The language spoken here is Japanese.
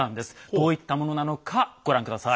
どういったものなのかご覧下さい。